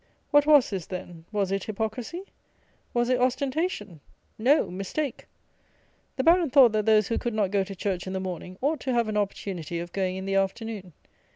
What was this, then? Was it hypocrisy; was it ostentation? No: mistake. The Baron thought that those who could not go to church in the morning ought to have an opportunity of going in the afternoon.